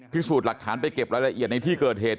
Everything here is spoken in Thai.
พิสูจน์หลักฐานไปเก็บรายละเอียดในที่เกิดเหตุ